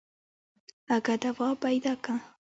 اگه دوا پيدا که.